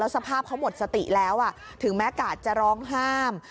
สภาพเขาหมดสติแล้วถึงแม้กาดจะร้องห้าม